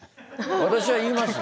私は言いますね。